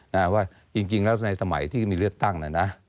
ว่าจริงแล้วในสมัยที่มีเลือกตั้งน่ะนะ